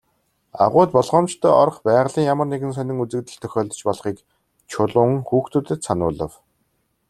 Агуйд болгоомжтой орох, байгалийн ямар нэгэн сонин үзэгдэл тохиолдож болохыг Чулуун хүүхдүүдэд сануулав.